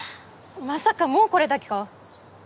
まさかもうこれだけか？